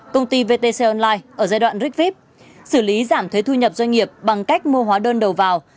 công ty vtc online ở giai đoạn rigvip xử lý giảm thuế thu nhập doanh nghiệp bằng cách mua hóa đơn đầu vào